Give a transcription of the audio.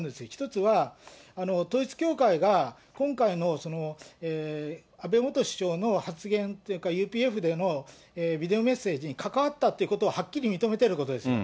１つは、統一教会が今回の安倍元首相の発言というか、ＵＰＦでのビデオメッセージに関わったということをはっきり認めているということです。